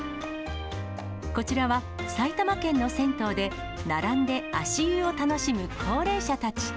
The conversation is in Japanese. こちらは、埼玉県の銭湯で、並んで足湯を楽しむ高齢者たち。